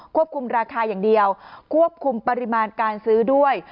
ควบคุมราคาอย่างเดียวควบคุมปริมาณการซื้อด้วย